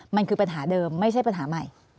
มันคือปัญหาเดิมไม่ใช่ปัญหาใหม่